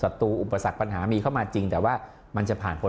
ศัตรุประสักปัญห้าก็มีเขามาจริงแต่ว่า